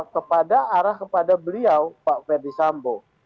kepada arah kepada beliau pak ferdisambo